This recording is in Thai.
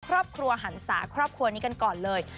ครอบครัวหันศาครอบครัวนี้กันก่อนเลย